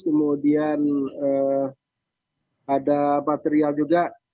kemudian ada material juga